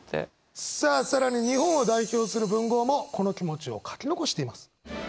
さあ更に日本を代表する文豪もこの気持ちを書き残しています。